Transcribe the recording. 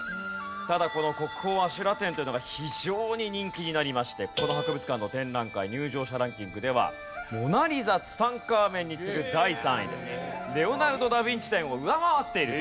ただこの「国宝阿修羅展」というのが非常に人気になりましてこの博物館の展覧会入場者ランキングではモナ・リザツタンカーメンに次ぐ第３位で「レオナルド・ダ・ヴィンチ展」を上回っているという。